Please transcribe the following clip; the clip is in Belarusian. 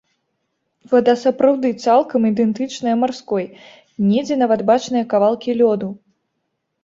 Вада сапраўды цалкам ідэнтычная марской, недзе нават бачныя кавалкі лёду.